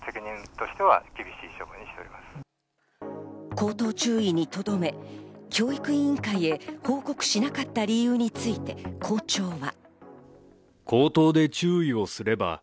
口頭注意にとどめ、教育委員会へ報告しなかった理由について校長は。